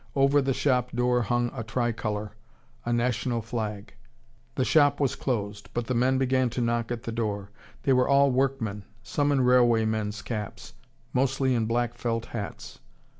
Over the shop door hung a tricolour, a national flag. The shop was closed, but the men began to knock at the door. They were all workmen, some in railway men's caps, mostly in black felt hats.